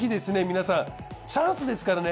皆さんチャンスですからね